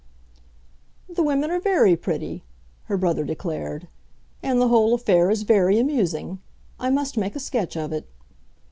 "The women are very pretty," her brother declared, "and the whole affair is very amusing. I must make a sketch of it."